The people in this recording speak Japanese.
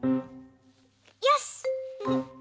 よし！